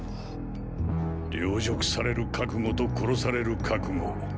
陵辱される覚悟と殺される覚悟。